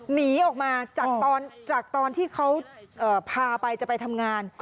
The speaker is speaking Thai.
หนีออกมาจากตอนที่เขาพาไปจะไปทำงาน